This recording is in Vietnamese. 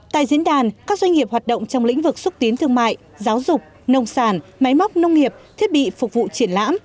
tại diễn đàn các doanh nghiệp hoạt động trong lĩnh vực xúc tiến thương mại giáo dục nông sản máy móc nông nghiệp thiết bị phục vụ triển lãm